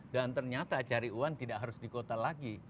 dan ternyata cari uang tidak harus di kota lagi